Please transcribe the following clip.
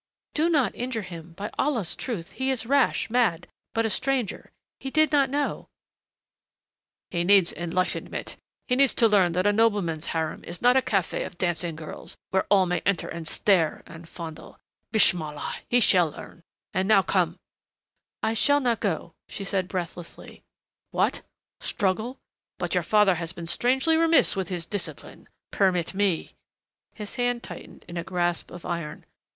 "Do not injure him! By Allah's truth! He is rash, mad, but a stranger. He did not know " "He needs enlightenment. He needs to learn that a nobleman's harem is not a café of dancing girls, where all may enter and stare and fondle. Bismallah he shall learn!... And now come " "I shall not go," she said breathlessly. "What struggle? But your father has been strangely remiss with his discipline.... Permit me." His hand tightened in a grasp of iron.